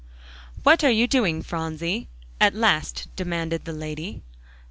"What are you doing, Phronsie?" at last demanded the lady.